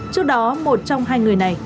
trước đó một trong hai người này